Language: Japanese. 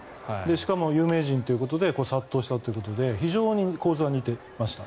しかも有名人ということで殺到したということで非常に構図が似ていました。